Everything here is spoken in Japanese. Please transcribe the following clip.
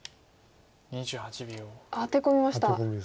アテ込みました。